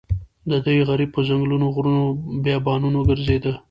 دی غریب په ځنګلونو غرونو بیابانونو ګرځېده.